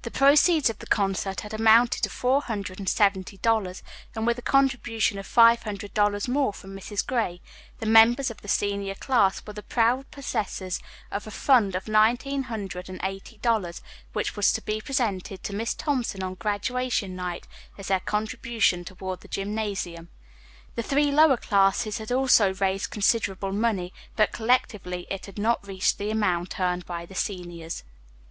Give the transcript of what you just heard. The proceeds of the concert had amounted to four hundred and seventy dollars, and with a contribution of five hundred dollars more from Mrs. Gray, the members of the senior class were the proud possessors of a fund of nineteen hundred and eighty dollars, which was to be presented to Miss Thompson on graduation night as their contribution toward the gymnasium. The three lower classes had also raised considerable money, but collectively it had not reached the amount earned by the seniors.